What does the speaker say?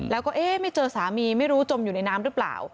แล้วก็เอ๊ะไม่เจอสามีไม่รู้จมอยู่ในน้ำหรือเปล่า